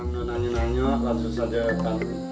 tidak ada yang menanyakan